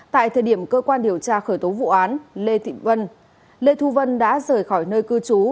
tại thời điểm cơ quan điều tra khởi tố vụ án lê thu vân đã rời khỏi nơi cư trú